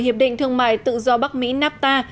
hiệp định thương mại tự do bắc mỹ nafta